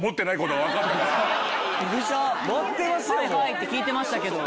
「はいはい」って聞いてましたけど。